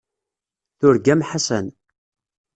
Turgam Ḥasan.